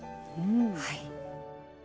はい。